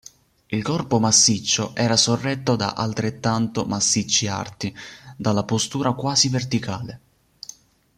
Il corpo massiccio era sorretto da altrettanto massicci arti, dalla postura quasi verticale.